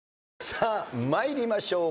さあ参りましょう。